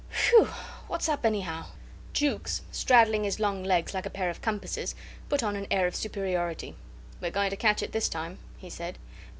Phew! What's up, anyhow?" Jukes, straddling his long legs like a pair of compasses, put on an air of superiority. "We're going to catch it this time," he said.